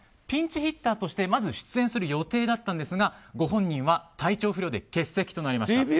ピンチヒッターとしてまず出演する予定だったんですがご本人は体調不良で欠席となりました。